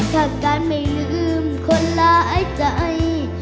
ถ้าการไม่ลืมคนหลายใจ